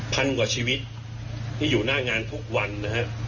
พันกว่าชีวิตที่อยู่หน้างานทุกวันนะฮะ